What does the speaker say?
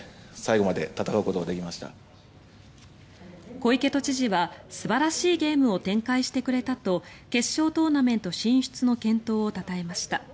小池都知事は素晴らしいゲームを展開してくれたと決勝トーナメント進出の健闘をたたえました。